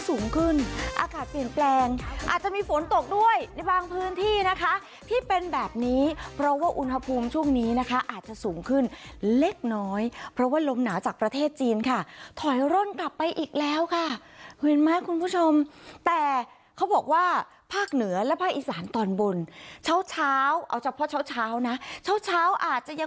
สูงขึ้นอากาศเปลี่ยนแปลงอาจจะมีฝนตกด้วยในบางพื้นที่นะคะที่เป็นแบบนี้เพราะว่าอุณหภูมิช่วงนี้นะคะอาจจะสูงขึ้นเล็กน้อยเพราะว่าลมหนาวจากประเทศจีนค่ะถอยร่นกลับไปอีกแล้วค่ะเห็นไหมคุณผู้ชมแต่เขาบอกว่าภาคเหนือและภาคอีสานตอนบนเช้าเช้าเอาเฉพาะเช้าเช้านะเช้าเช้าอาจจะยัง